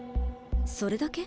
それだけ？